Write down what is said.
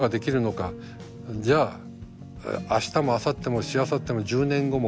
じゃあ明日もあさってもしあさっても１０年後も来て見てくれるか」。